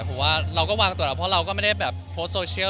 ผมว่าเราก็วางตัวก็ไม่ได้แบบโพสต์โซเชียล